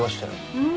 うん！